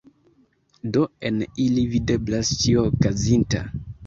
Do en ili videblas ĉio okazinta!